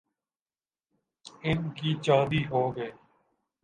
ان کی چاندی ہو گئی۔